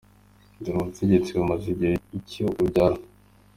Dore ubutegetsi bumaze igihe icyo bubyara.